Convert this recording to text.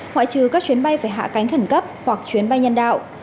ngoại trừ các chuyến bay phải hạ cánh khẩn cấp hoặc chuyến bay nhân đạo